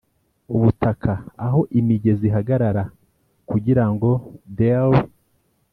ubutaka aho imigezi ihagarara kugirango dally